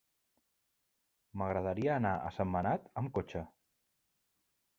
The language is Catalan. M'agradaria anar a Sentmenat amb cotxe.